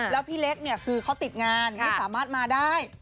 แล้วพี่เล็กเนี่ยคือเขาติดงานไม่สามารถมาได้